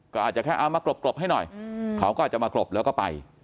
ก็อาจจะแค่เอามากรบให้หน่อยเขาก็อาจจะมากรบแล้วก็ไป